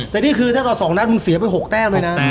แต่นี่คือถ้าเกิด๒นัดมึงเสียไป๖แต้มเลยนะ